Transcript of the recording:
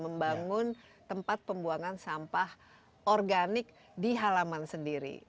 membangun tempat pembuangan sampah organik di halaman sendiri